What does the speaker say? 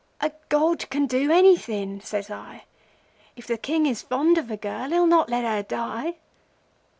"'A god can do anything,' says I. 'If the King is fond of a girl he'll not let her die.